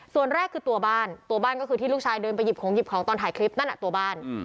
ส่วนแรกคือตัวบ้านตัวบ้านก็คือที่ลูกชายเดินไปหยิบของหยิบของตอนถ่ายคลิปนั่นตัวบ้าน